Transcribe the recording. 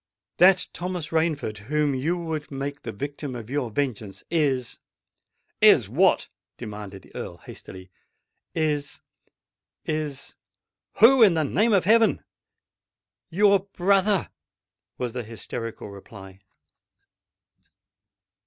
"That Thomas Rainford whom you would make the victim of your vengeance, is——" "Is what?" demanded the Earl hastily. "Is—is——" "Who? in the name of heaven!" "YOUR BROTHER!" was the hysterical reply.